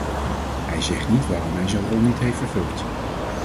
Hij zegt niet waarom hij zijn rol niet heeft vervuld.